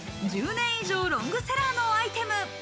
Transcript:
１０年以上ロングセラーの人気アイテム。